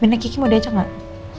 bina kiki mau diajak nggak